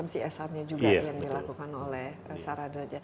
jadi ini adalah perusahaannya juga yang dilakukan oleh sarada